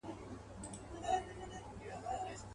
ځكه وايي پردى كټ تر نيمو شپو دئ..